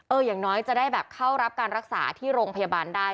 อย่างน้อยจะได้แบบเข้ารับการรักษาที่โรงพยาบาลได้